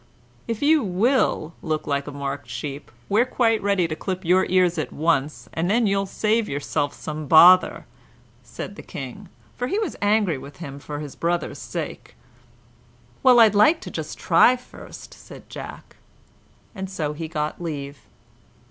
"If you will look like a marked sheep, we're quite ready to clip your ears at once, and then you'll save yourself some bother," said the King, for he was angry with him for his brothers' sake. "Well, I'd like to just try first," said Jack, and so he got leave.